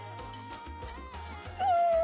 うん！